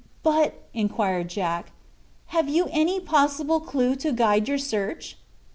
"But," inquired Jack, "have you any possible clew to guide your search?"